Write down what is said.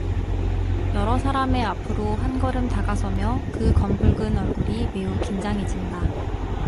여러 사람의 앞으로 한 걸음 다가서며 그 검붉은 얼굴이 매우 긴장해진다.